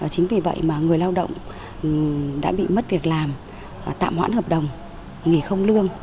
chính vì vậy mà người lao động đã bị mất việc làm tạm hoãn hợp đồng nghỉ không lương